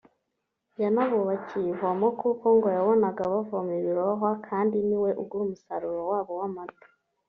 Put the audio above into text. yanabubakiye ivomo kuko ngo yabonaga bavoma ibirohwa kandi ni we ugura umusaruro wabo w’amata